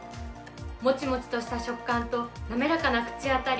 もちもちとした食感と滑らかな口当たり。